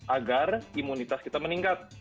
agar imunitas kita meningkat